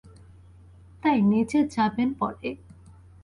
তাই নিজে যাবেন পরে।